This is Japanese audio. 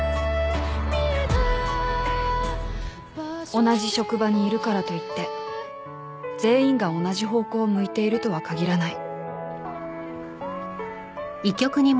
［同じ職場にいるからといって全員が同じ方向を向いているとはかぎらない］